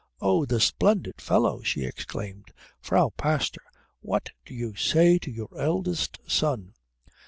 "Oh, the splendid fellow!" she exclaimed. "Frau Pastor, what do you say to your eldest son?"